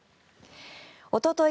おととい